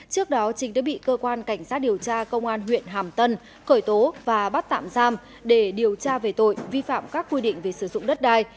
trước đó chính đã bị cơ quan cảnh sát điều tra công an huyện hàm tân cởi tố và bắt tạm giam để điều tra về tội vi phạm các quy định về sử dụng đất đai